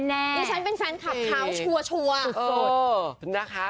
เดี๋ยวฉันเป็นแฟนคลับเค้าชัวร์